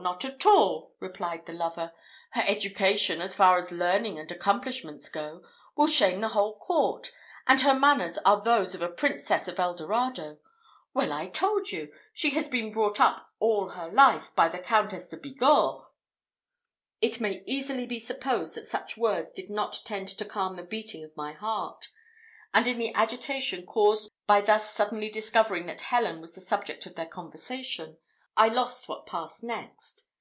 not at all!" replied the lover. "Her education, as far as learning and accomplishments go, will shame the whole court, and her manners are those of a princess of Eldorado. Why, I told you, she has been brought up all her life by the Countess de Bigorre." It may easily be supposed that such words did not tend to calm the beating of my heart; and in the agitation caused by thus suddenly discovering that Helen was the subject of their conversation, I lost what passed next.